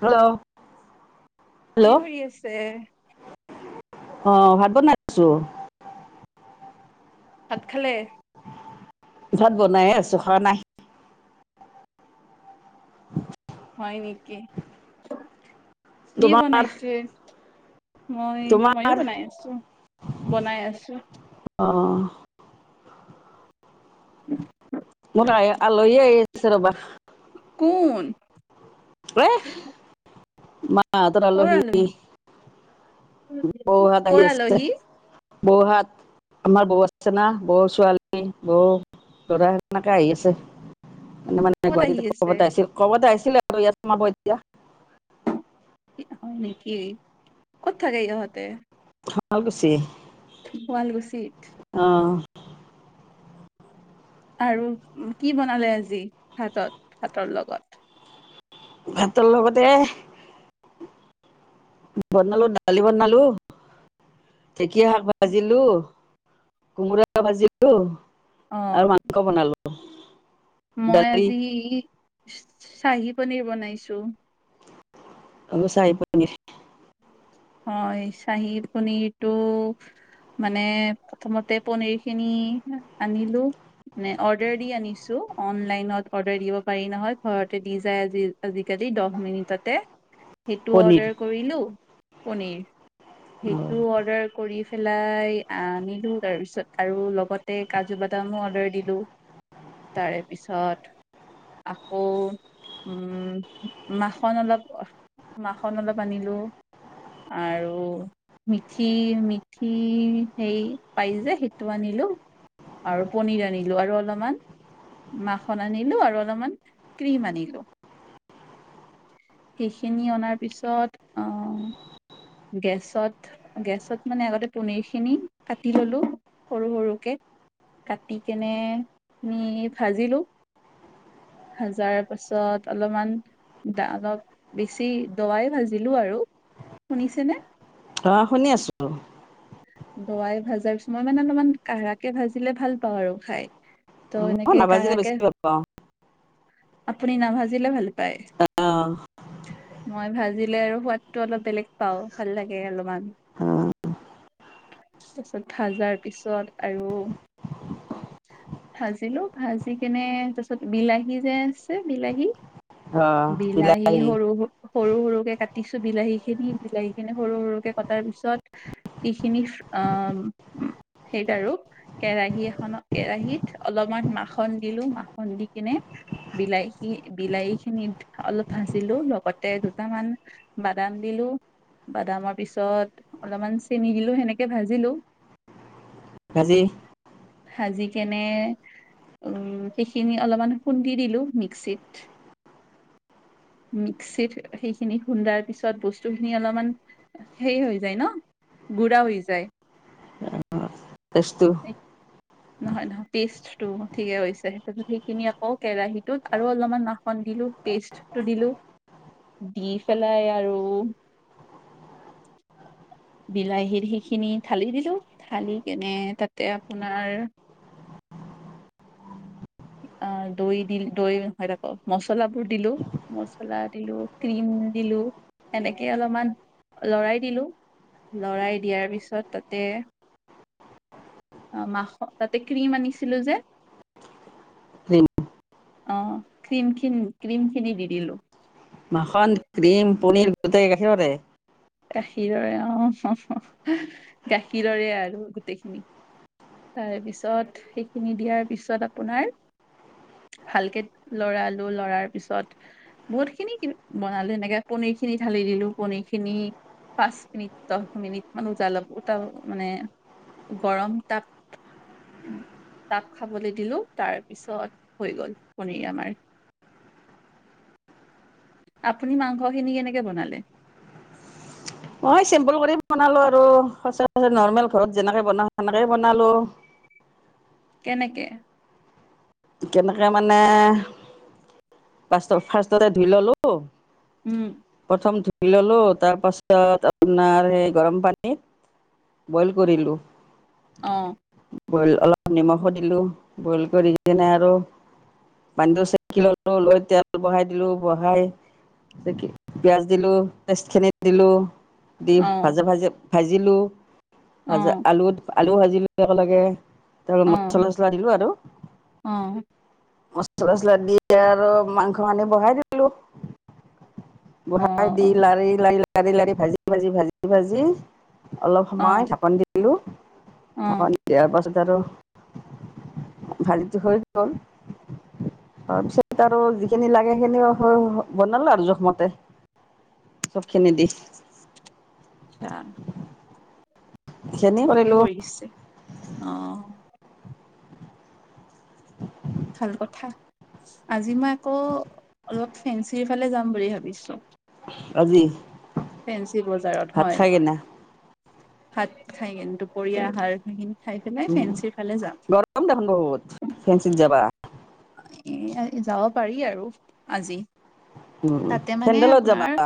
Hello! কি hello! কৰি আছে? অ' ভাত বনাই আছোঁ। ভাত খালে? ভাত বনাই আছোঁ। হোৱা নাই। [unintelligible] হয় নেকি। কি তোমাৰ বনাইছে? মই, ময়ো তোমাৰ বনাই আছোঁ, বনাই আছোঁ। অঁ! [unintelligible] মোৰ আলহী আহি আছে। ৰ'বা! কোন? [unintelligible] মা মা হঁতৰ আলহী। বৌহঁত আহি কৰ আছে। আলহী? বৌহঁত আমাৰ বৌ আছে না, বৌ ছোৱালী, বৌ ল'ৰা সনেকে আহি আছে। [unintelligible] ক'ত আহি গুৱাহীত আছে? ক'বাত আছিল, ক'বাত আছি [unintelligible] হয় নেকি! ক'ত থাকে ইহঁতে? শুৱালকুছি। শুৱালকুছি! অ আৰু কি বনালে আজি ভাতত ভাতৰ লগত? ভাতৰ লগতে বনালো দালি বনালো, ঢেকীয়া শাক ভাজিলো, কোমোৰা ভাজিলো অ', আৰু মাংস বনালো। [unintelligible] মই দালি আজি চাহী পনীৰ বনাইছোঁ। আমিও চাহী পনিৰ। হয়। চাহীৰ পনিৰটো মানে, প্ৰথমতে পনিৰ খিনি আনিলো। মানে, অৰ্ডাৰ দি আনিছোঁ, অনলাইনত অৰ্ডাৰ দিব পাৰি নহয়। ঘৰতে দি যায় আজিকালি দহ মিনিটতে। সেইটো পনীৰ অৰ্ডাৰ কৰিলো। পনিৰ সেইটো অৰ্ডাৰ কৰি পেলাই আনিলো, তাৰপিছত আৰু লগতে কাজু বাদামো অৰ্ডাৰ দিলো। তাৰে পিছত আকৌ উম, মাখন অলপ মাখন অলপ আনিলো। আৰু মিঠি-মিঠি সেই পাই যে সেইটো আনিলো, আৰু পনীৰ আনিলো। আৰু অলমান মাখন আনিলো, আৰু অলপমান ক্ৰিম আনিলো। সেইখিনি অনাৰ পিছত অহ গেছত-গেছত মানে আগতে পনীৰ খিনি কাটি ল'লো সৰু সৰুকে কাটি কেনে ভাজিলো। ভাজাৰ পাছত অলমান অলপ বেছি দৱাই ভাজিলো আৰু। শুনিছেনে? অ শুনি আছো দৱাই ভাজাৰ পিছত মই মানে অলমান কাৰাকে ভাজিলে ভাল পাওঁ আৰু খাই। ত' মই এনেকে নাভাজিলে কাঢ়াকে বেছি ভাল পাওঁ। আপুনি নাভাজিলে ভাল পায়। আহ মই ভাজিলে আৰু সোৱাদটো অলপ বেলেগ পাও ভাল লাগে অলমান। তাৰপিছত ভাজাৰ পিছত আৰু ভাজিলো, ভাজি কেনে তাৰপিছত বিলাহী যে আছে, বিলাহী বিলাহী সৰু, সৰু -সৰুকে কাট টিছো বিলাহী খিনি, বিলাহী খিনি সৰু-সৰুকে কটাৰ পিছত সেইখিনি অহ, সেইত আৰু, কেৰাহি এখনত কেৰাহীত অলপমান মাখন দিলো, মাখন দি কিনে বিলাহী- বিলাহীখিনিত অলপ ভাজিলো লগতে দুটামান বাদাম দিলো, বাদামৰ পিছত অলপমান চেনি দিলো সেনেকে ভাজিলো। ভাজি? ভাজি কেনে, উম, সেইখিনি অলপমান খুন্দি দিলো মিক্সিত। মিক্সিত সেইখিনি খুন্দাৰ পিছত বস্তুখিনি অলপমান সেই হৈ যায় ন গুৰা হৈ যায়। পেষ্টতো এই নহয়- নহয়, পেষ্টটো ঠিকে কৈছে। সেইখিনি আকৌ কেৰাহীটোত আৰু অলপমান মাখন দিলো, পেষ্টটো দিলো দি পেলাই আৰু বিলাহীৰ সেইখিনি ঢালি দিলো, ঢালি কেনে তাতে আপোনাৰ আহ দৈ দিল, দৈ হয় আকৌ মচলাবোৰ দিলোঁ, মচলা দিলোঁ, ক্ৰীম দিলোঁ, সেনেকে অলপমান লৰাই দিলোঁ, লৰাই দিয়াৰ পিছত তাতে অ মাস তাতে ক্ৰীম আনিছিলো যে, ক্ৰীম অ ক্ৰীমখিন -ক্ৰীম খিনি দি দিলো মাখন, ক্ৰীম, পনীৰ গোটেই গাখীৰৰে? গাখীৰৰে অ, হঃ হহ গাখীৰৰে আৰু গোটেইখিনি, তাৰ পিছত সেইখিনি দিয়াৰ পিছত আপোনাৰ, ভালকে লৰালো, লৰাৰ পিছত বহুত খিনি বনালো এনেকে পনীৰ খিনি ঢালি দিলো পনীৰখিনি পাঁচ মিনিট, দহ মিনিট মান উজালব উতলব মানে গৰম তাপ- তাপ খাবলৈ দিলো তাৰপিছত হৈ গল পনীৰ আমাৰ। আপুনি মাংসখিনি কেনেকে বনালে? মই চিম্পুল কৰি বনালোঁ আৰু সচৰাচৰ নৰ্মেল ঘৰত যেনেকৈ বনাওঁ সেনেকেই বনালোঁ। কেনেকে? কেনেকে মানে, ফাষ্টত -ফাৰ্ষ্টতে ধুই ললো উম প্ৰথম ধু ললো তাৰপাছত আপোনাৰ সেই গৰম পানীত বইল কৰিলো। অ। বইল অলপ নিমখো দিলো, বইল কৰি কিনে আৰু পানীটো চেকি ললো লৈ তেল বহাই দিলোঁ বহাই ক পিঁয়াজ দিলোঁ, পেষ্টখিনিত দিলোঁ দি অ ভাজে ভাজে ভাজিলো। অ ভাজা আলুত আলু ভাজিলো একে লগে। ধৰ অ মচলা-চচলা দিলো আৰু। অ মচলা-চচলা দি আৰু মাংস সানি বহাই দিলো। অ বহাই দি অ লাৰি লাৰি লা লাৰি-লাৰি, ভাজি-ভাজি-ভাজি-ভাজি অলপ অ সময় ঢাকন দি হেল্ল'। থাক নি দিয়াৰ পাছত। ভাজীটো হৈ গ'ল। তাৰ পিছত আৰু যিখিনি লাগে সেইখিনি বনালো আৰু জোখমতে চব খিনি দি। আহ সেইখিনি ঠিকে কৰিলো কৰিছে অ। ভাল কথা আজি মই আকৌ অলপ ফেঞ্চিৰ ফালে যাম বুলি ভাবিছো। আজি। ফেঞ্চি বজাৰত ভাত হয়। খাই কিনে হাত খাই কিন্ত দুপৰীয়া সাৰ খাই কিনি। উম গৰম দেখোন বহুত ফেনঞ্চিত যাবা। এ যাব পাৰি আৰু আজি। উম তাতে মানে চেন্দেলত যাবা আপোনাৰ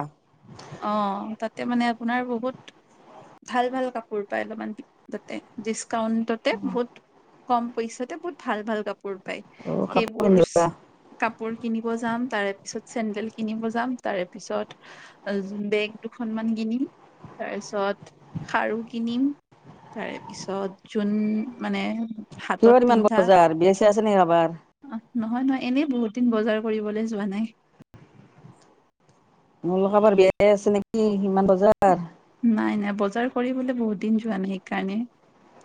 অ তাত। মানে আপোনাৰ বহুত ভাল ভাল কাপোৰ পায় অলপমান তাতে। কাউন্ট্ৰে বহুত। কম পইচাতে বহুত ভাল ভাল কাপোৰ পায়। অ কাপোৰ সেইবোৰ পিন্ধিবা কাপোৰ কিনিব যাম তাৰে পিছত। চেডেল কিনিব যাম তাৰে পিছত বেগ দুখনমান কিনিম তাৰপিছত খাৰু কিনিম তাৰে পিছত যোন মানে। হাতত কিহৰ ইমান পিন্ধা বজাৰ বেছ। চেচনি আভাৰ। অ নহয় নহয় এনেই বহুত দিন বজাৰ কৰিবলৈ যোৱা নাই। নলোকাবাৰ বিয় আছে নেকি ইমান বজাৰ। নাই নাই বজাৰ কৰিবলৈ বহুত দিন যোৱা নাই সেইকাৰণে।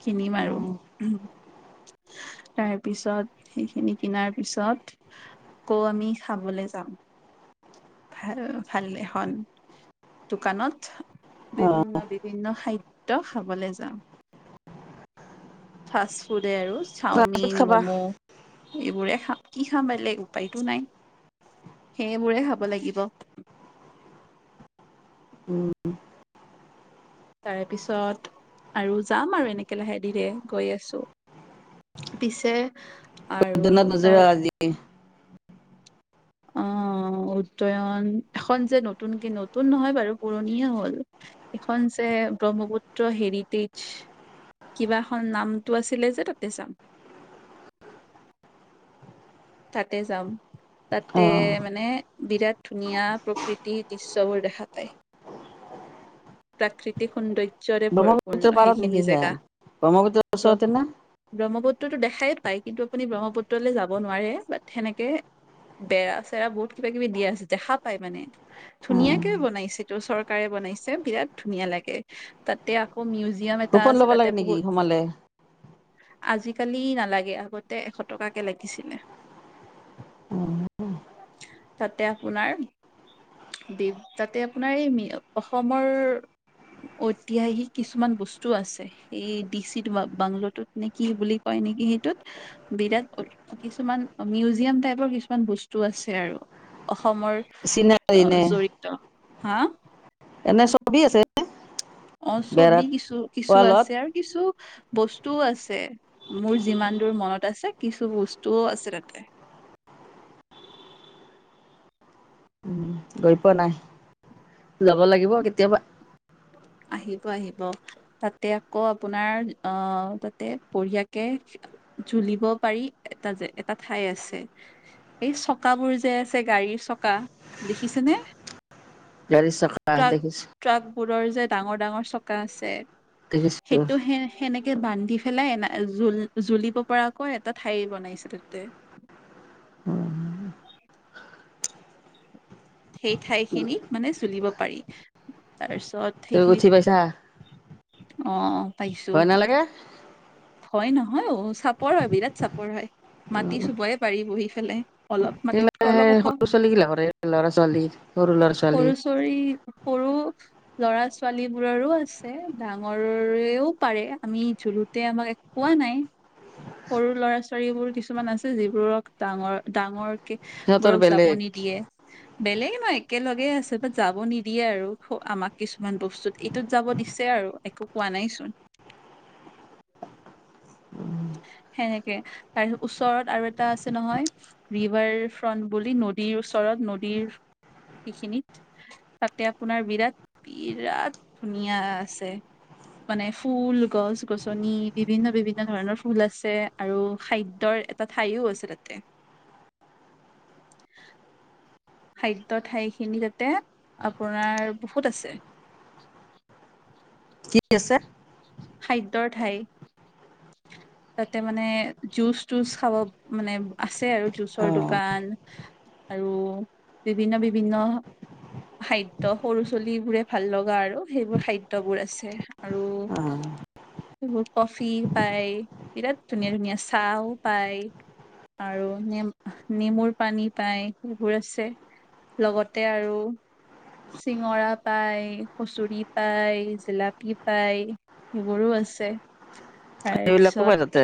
কিনিম আৰু। তাৰ পিছত সেইখিনি কিনাৰ পিছত আকৌ আমি খাবলৈ যাম। ভাল ভাল এখনন দোকানত। অ বিভিন্ন বিভিন্ন খাই। খাবলৈ যাম ফাষ্ট ফুড। দে আৰু ৰাজত চাওমিন খাবা মম'। এইবোৰে খাম কি খাম বেলেগ উপায়তো নাই সেইবোৰে খাব। ল'ব লাগিব। উম তাৰে পিছত আৰু যাম আৰু এনেকে লাহে দিৰে গৈ আছো পিছে। আৰু কদৰ ন তজ তাৰ আজি। আহ উদ্ডয়ন এখন যে নতুনক নতুন নহয় বাৰু পুৰণিয় হল এইখন যে ব্ৰহ্মপুত্ৰ হেৰিটেজ কিবা এখন নামটো আছিলে যে তাতে ৰাম। তাতে যাম তাতে অ মানে বিৰাট ধুনীয়া প্ৰকৃতিৰ দৃশ্যবোৰ দেখা পায়। প্ৰাকৃতিক সৌন্দৰ্য্য। ব্ৰহ্মপুুত্ৰ পাৰত নেকি খে ব্ৰহ্মপুত্ৰৰ ওচৰতে না পুত্ৰতটো দেখাই পায় কিন্তু আপুনি ব্ৰহ্মপুত্ৰলৈ যাব নোৱাৰে বাট সেনেকে বেৰা চেৰা বহুত কিবা কিবি দিয়া আছে দেখা পায় মানে অ ধুনীয়াকে বনাইছে তটো চৰকাৰে বনাইছে বিৰাট ধুনীয়া লাগে তাতে আকৌ মিউজিয়াম এটা কুপন আছে ল'ব তাতে লাগে নেকি বহুত সোমালে আজিকালি নালাগে আগতে এশ টকাকে লাগিছিলে তাতে আপোনাৰ বি তাতে আপোনাৰ এই অসম অসমৰ ঐতিহাসিক কিছুমান বস্তু আছে এই ডিচি বাংলৰটোত নে কি বুলি কয় নেকি সেইটোত বিৰাট কিছুমান মিউজিয়াম টাইপৰ কিছুমান বস্তু আছে আৰু অসমৰ চিনা হয় নে হাঁ এনে চবেই আছে অঁ ছবি বেৰাত কিছু কিছু ৱালত আছে আৰু কিছু বস্তু আছে মোৰ যিমান দূৰ মনত আছে কিছু বস্তুওঁ আছে তাতে উম গৈ পোৱা নাই যাব লাগিব কেতিয়াবা আহিব আহিব তাতে আকৌ আপোনাৰ আঁহ তাতে বঢ়িয়াকে জুলিব পাৰি এটা যে এটা ঠাই আছে সেই চকাবোৰ যে আছে গাড়ীৰ চকা দেখিছেনে গাঢ়ি চকা ট্ৰাক আছে যে ট্ৰাক বোৰৰ যে ডাঙৰ ডাঙৰ চকা আছে দেখিছো সেইটো সে সেনেকৈ বান্ধি পেলাই এ জ জ্বুলিব পৰাকৈ এটা ঠাইৰ বনাইছিল ততে উম সেই ঠাই খিনি মানে জুলিব পাৰি তাৰপিছত তুমি সেইখিনিত উঠি পাইছা অঁ ভয় নালাগে ভয় নহয় নহয় চাপৰ হয় বিৰাট চাপৰ হয় মাটি চুবইে পাৰি বহি খালে অলপ সেই মাটিতকৈ অলপ ওখ সৰু ছোৱালী গিলা কৰে ল'ৰা ছোৱালী সৰু ল'ৰা ছোৱালী সৰু চৰি সৰু ল'ৰা ছ ছোৱালী বোৰৰো আছে ডাঙৰেও পাৰে আমি জুলত তে আমাক এক পোৱা নাই সৰু ল'ৰা ছোৱালীবোৰ কিছুমান আছে যিবোৰক ডাঙৰ ডাঙৰ সিহঁতৰ বোৰক যাব বেলেগ নিদিয়ে বেলেগ ন একেলগে আছে বাট যাব নিদিয়ে আৰু আমাক কিছুমান বস্তুত এইটোত যাব দিছে আৰু একো কোৱা নাইচোন সেনেকৈ তাৰিছত ওচৰত আৰু এটা আছে নহয় ৰিভাৰ ফ্ৰন্ট বুলি নদীৰ ওচৰত নদীৰ সিখিনিত তাতে আপোনাৰ বিৰাট বিৰাট ধুনীয়া আছে মানে ফুল গছ গছনি বিভিন্ন বিভিন্ন ধৰণৰ ফুল আছে আৰু খাদ্যৰ এটা ঠাইওঁ আছে তাতে খাদ্য ঠাইখিনি তাতে আপোনাৰ বহুত আছে কি আছে খাদ্যৰ ঠাই তাতে মানে জুচ তুচ খাব মানে আছে আৰু জুচৰ অ দোকান আৰু বিভিন্ন বিভিন্ন খাদ্য সৰু চুলিবোৰে ভাল লগা আৰু সেইবোৰ খাদ্যবোৰৰ আছে আৰু অ সেইবোৰ কফি পাই বিৰাট ধুনীয়া ধুনীয়া চাহ পায় আৰু নেম নেমুৰ পানী পায় সেইবোৰ আছে লগতে আৰু চিঙৰা পায় কচৰি পায় জিলাপী পায় সেইবোৰো আছে তাৰ পিছত তে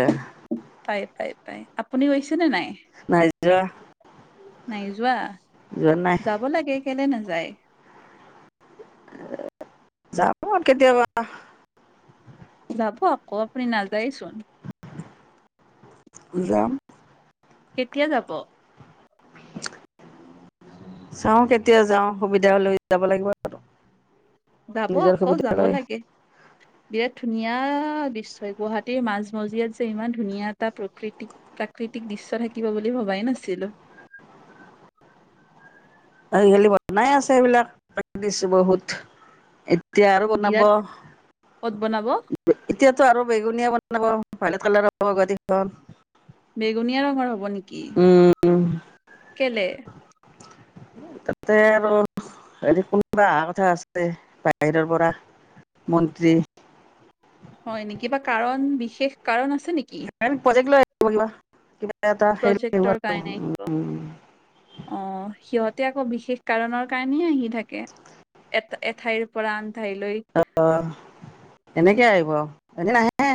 পাই পাই পাই আপুনিও আহিছে নে নাই নাইজৰা [unintelligible] নাই যোৱা যাব লাগে কেলে নাযা [unintelligible] যায় যাব কেতিয়াবা যাব আকৌ আপুনি নাযায়চোন যাম কেতিয়া যাব চাওঁ কেতিয়া যাওঁ সুবিধা হলে যাব লাগিব আৰু যাব আকৌ যাব লাগে বিৰাট ধুনীয়া ধুনীয়া দৃশ্য গুৱাহাটীৰ মাজমজিয়াত যে ইমান ধুনীয়া এটা প্ৰকৃতি প্ৰাকৃতিক দৃশ্য থাকিব বুলি ভবাই নাছিলো খালি বনাই আছে সবিলাক দিছো বহুত এতিয়া আৰু বনাব বিৰাট ক'ত বনাব এতিয়াতো আৰু বেগুনীয়া বনাব ভালে তলাৰ হ'বগ দেখন বেঙুনীয়া ৰঙৰ হ'ব নেকি উম কেলে তাতে আৰু হেৰি কোনোবা অহা কথা আছে বাহিৰৰ পৰা মন্ত্ৰী হয় নেকি বা কাৰণ বিশেষ কাৰণ আছে নেকি বোলে [unintelligible] প্ৰজেক্টৰ কাৰণে আহিব অ সিহঁত এতিয়া আকৌ বিশেষ কাৰণৰ কাৰণেই আহি থাকে এ এঠাইৰ পৰা ঠাইলৈ আহ এনেকে আহিব এনে নাইে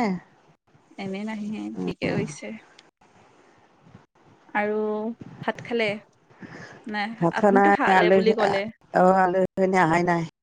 এনে ন ঠিকে হৈছে আৰু ভাত খালে নাই পাত আপুনিতো নাই খালে আল বুলি ক'লে অ আলুহে আহাই নাই [unintelligible]